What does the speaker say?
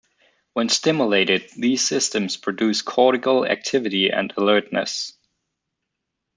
When stimulated, these systems produce cortical activity and alertness.